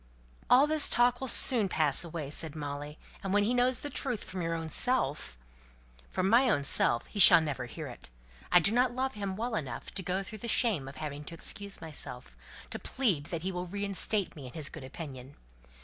"All this talk will soon pass away!" said Molly; "and when he knows the truth from your own self " "From my own self he shall never hear it. I do not love him well enough to go through the shame of having to excuse myself, to plead that he will reinstate me in his good opinion.